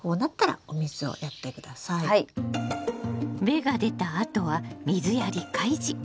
芽が出たあとは水やり開始！